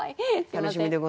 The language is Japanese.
楽しみでございます。